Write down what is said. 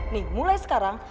nih mulai sekarang